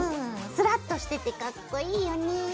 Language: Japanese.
スラッとしててかっこいいよね。